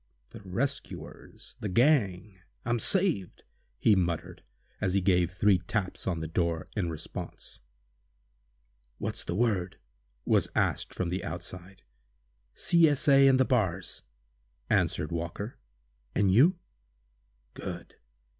"The rescuers—the gang—I'm saved!" he muttered, as he gave three taps on the door, in response. "What's the word?" was asked from the outside. "C. S. A. and the Bars!" answered Walker. "And you?" "Good!